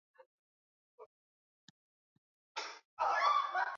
au kuwa hoi kabisa Kijana mmoja alisema kile kinachofanya ecstasy ivutie